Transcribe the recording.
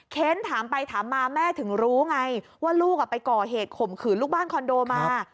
ถามไปถามมาแม่ถึงรู้ไงว่าลูกไปก่อเหตุข่มขืนลูกบ้านคอนโดมา